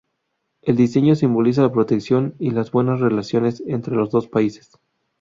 El diseño simbolizaba la protección y las buenas relaciones entre los dos países.